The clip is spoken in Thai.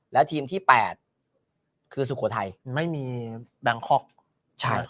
แล้วทีมที่๘คือสุโขทัยไม่มีแบงคอกใช่